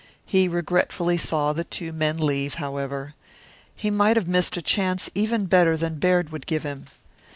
He regretfully saw the two men leave, however. He might have missed a chance even better than Baird would give him.